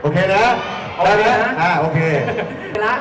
เดี๋ยวเฉลยพร้อมกันทุกคนโอเคไหมฮะโอเคนะ